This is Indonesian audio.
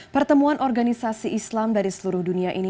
pertemuan organisasi islam dari seluruh dunia ini